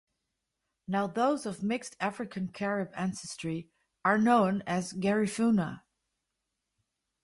Now those of mixed African-Carib ancestry are known as "Garifuna".